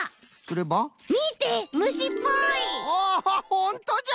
ほんとじゃ！